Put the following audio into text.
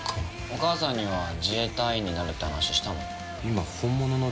お母さんには自衛隊員になるって話したの？